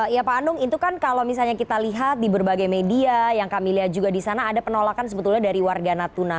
ya pak anung itu kan kalau misalnya kita lihat di berbagai media yang kami lihat juga di sana ada penolakan sebetulnya dari warga natuna